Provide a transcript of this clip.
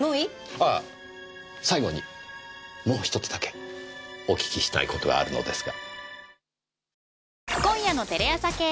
ああ最後にもう１つだけお訊きしたいことがあるのですが。